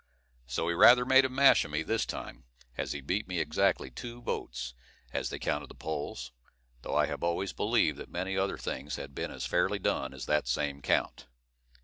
So he rather made a mash of me this time, as he beat me exactly two votes, as they counted the polls, though I have always believed that many other things had been as fairly done as that same count.